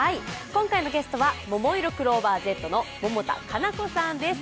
今回のゲストはももいろクローバーＺの百田夏菜子さんです。